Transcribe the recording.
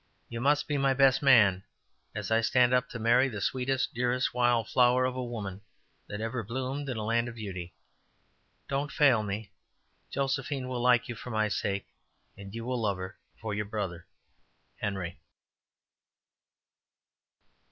You must be my best man, as I stand up to marry the sweetest, dearest wild flower of a woman that ever bloomed in a land of beauty. Don't fail me. Josephine will like you for my sake, and you will love her for your brother. HENRY."